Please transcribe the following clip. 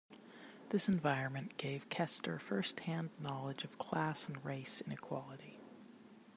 This environment gave Kester first hand knowledge of class and race inequality.